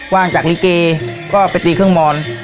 ว่างจากลิเกก็ไปตีเครื่องมอน